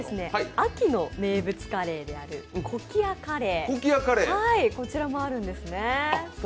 秋の名物カレーであるコキアカレーもあるんですね。